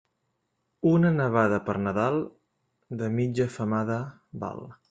Una nevada per Nadal, de mitja femada val.